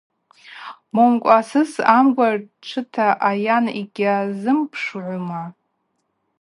Момкӏва асыс амгва чвыта айан йгьазымпшгӏума?